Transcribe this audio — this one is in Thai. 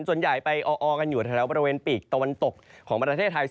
ส่วนใหญ่ไปออกันอยู่แถวบริเวณปีกตะวันตกของประเทศไทย